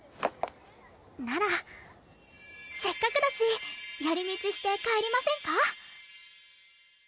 ならせっかくだし寄り道して帰りませんか？